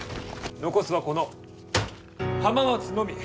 残すはこの浜松のみ。